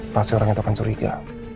pasti orang itu akan curiga